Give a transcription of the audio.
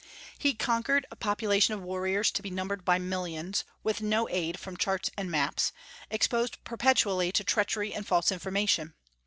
He conquered a population of warriors to be numbered by millions, with no aid from charts and maps, exposed perpetually to treachery and false information.